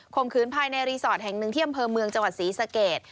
มขืนภายในรีสอร์ทแห่งหนึ่งที่อำเภอเมืองจังหวัดศรีสะเกด